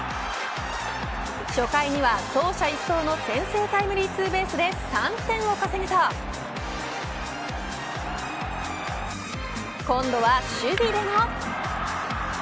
初回には走者一掃の先制タイムリーツーベースで３点を稼ぐと今度は守備でも。